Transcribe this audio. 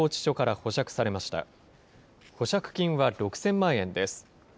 保釈金は６０００万円です。